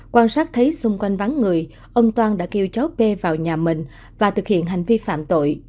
quan sát thấy xung quanh vắng người ông toàn đã kêu cháu p vào nhà mình và thực hiện hành vi phạm tội